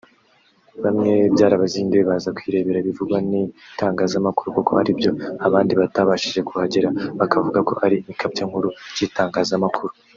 Bamwe byarabazinduye baza kwirebera ibivugwa n’itangazamakuru koko aribyo abandi batabashije kuhagera bakavuga ko ari ikabyankuru ry’itangazamakuru